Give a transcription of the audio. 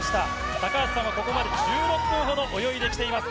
高橋さんはここまで１６分ほど、泳いできています。